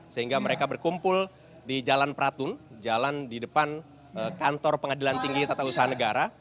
sehingga mereka berkumpul di jalan pratun jalan di depan kantor pengadilan tinggi tata usaha negara